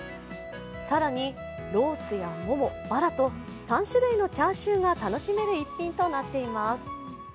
更にロースやモモ、バラと３種類のチャーシューが楽しめる一品となっています。